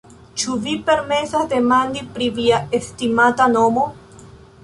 Ĉu vi permesas demandi pri via estimata nomo?